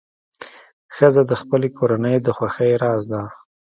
ښځه د خپلې کورنۍ د خوښۍ راز ده.